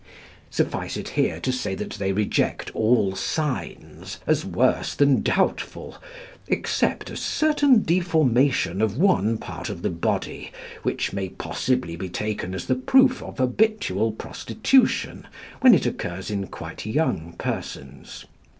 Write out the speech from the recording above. Suffice it here to say that they reject all signs as worse than doubtful, except a certain deformation of one part of the body, which may possibly be taken as the proof of habitual prostitution, when it occurs in quite young persons.